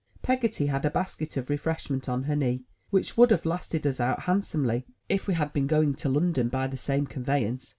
Peggotty had got a basket of refreshments on her knee, which would have lasted us out handsomely, if we had been going to 99 M Y BOOKHOUSE London by the same conveyance.